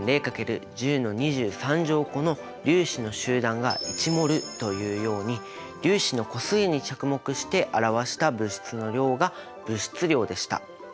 ６．０×１０個の粒子の集団が１ｍｏｌというように粒子の個数に着目して表した物質の量が物質量でした。